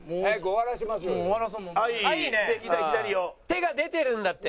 手が出てるんだって！